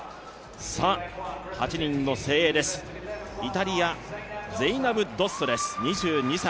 ８人の精鋭です、イタリア、ゼイナブ・ドッソです。